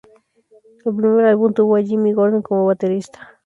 El primer álbum tuvo a Jimmy Gordon como baterista.